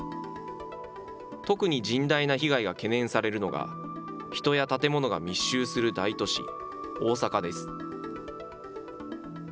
特に甚大な被害が懸念されるのが、人や建物が密集する大都市、大阪です。